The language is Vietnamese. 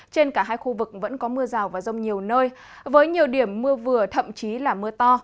trên cả hai khu vực vẫn có mưa rào và rông nhiều nơi với nhiều điểm mưa vừa thậm chí là mưa to